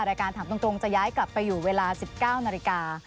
รายการถามตรงจะย้ายกลับไปอยู่เวลา๑๙นาฬิกา